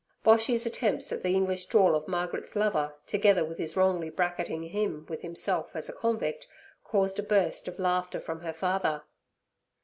Boshy's attempts at the English drawl of Margaret's lover, together with his wrongly bracketing him with himself as a convict, caused a burst of laughter from her father.